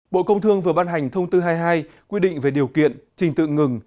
bộ công thương vừa ban hành thông tư hai mươi hai quy định về điều kiện trình tự ngừng